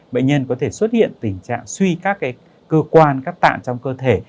bệnh nhân có thể xuất hiện tình trạng suy các cơ quan các tạng trong cơ thể